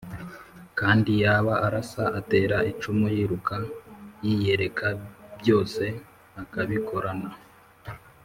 kandi yaba arasa, atera icumu, yiruka, yiyereka, byose akabikorana